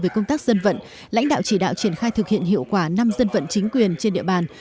về công tác dân vận lãnh đạo chỉ đạo triển khai thực hiện hiệu quả năm dân vận chính quyền trên địa bàn